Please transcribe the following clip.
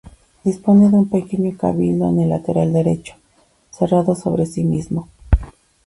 Dispone de un pequeño cabildo en el lateral derecho, cerrado sobre sí mismo.